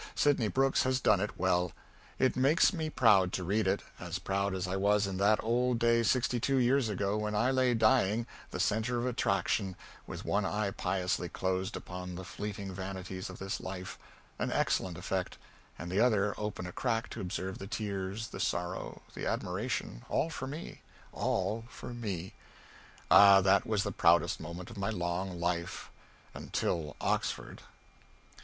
Sydney Brooks has done it well. It makes me proud to read it; as proud as I was in that old day, sixty two years ago, when I lay dying, the centre of attraction, with one eye piously closed upon the fleeting vanities of this life an excellent effect and the other open a crack to observe the tears, the sorrow, the admiration all for me all for me! Ah, that was the proudest moment of my long life until Oxford!